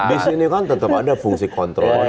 di sini kan tetap ada fungsi kontrolnya